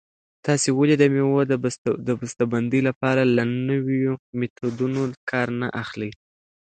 تاسې ولې د مېوو د بسته بندۍ لپاره له نویو میتودونو کار نه اخلئ؟